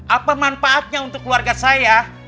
apa manfaatnya untuk keluarga saya